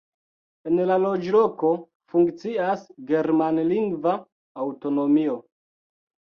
En la loĝloko funkcias germanlingva aŭtonomio.